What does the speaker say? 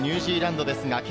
一方のニュージーランドです。